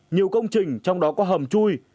nhiều công trình trong đó có hầm chui